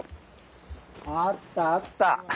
あったあった。